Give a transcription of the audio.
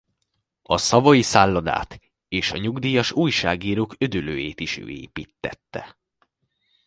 A Savoy szállodát és a nyugdíjas újságírók üdülőjét is ő építtette.